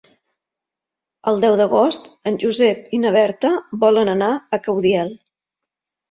El deu d'agost en Josep i na Berta volen anar a Caudiel.